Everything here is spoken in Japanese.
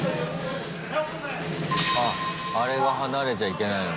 ああれが離れちゃいけないの。